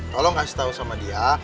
tolong kasih tahu sama dia